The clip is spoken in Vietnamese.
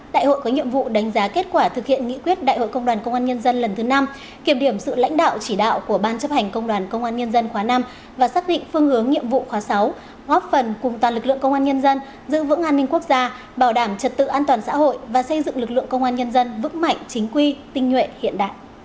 đại hội có nhiệm vụ đánh giá kết quả thực hiện nghị quyết đại hội công đoàn công an nhân dân lần thứ năm kiểm điểm sự lãnh đạo chỉ đạo của ban chấp hành công đoàn công an nhân dân khóa năm và xác định phương hướng nhiệm vụ khóa sáu góp phần cùng toàn lực lượng công an nhân dân giữ vững an ninh quốc gia bảo đảm trật tự an toàn xã hội và xây dựng lực lượng công an nhân dân vững mạnh chính quy tinh nhuệ hiện đại